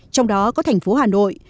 trong đó có thành phố hà nội